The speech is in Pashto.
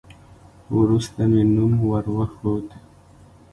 وروسته مې نوم ور وښود.